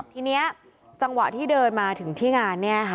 ทีนี้จังหวะที่เดินมาถึงที่งาน